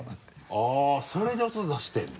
あぁそれで音出してるんだ。